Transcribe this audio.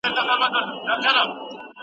تاسو بايد د مطالعې له لاري خپل ذهن وسپړئ.